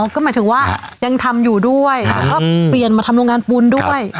ก็หมายถึงว่ายังทำอยู่ด้วยแล้วก็เปลี่ยนมาทำโรงงานปูนด้วย